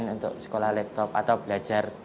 untuk sekolah laptop atau belajar